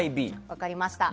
分かりました。